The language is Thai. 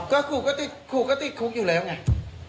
ก็ครูก็ติดคุกอยู่แล้วไง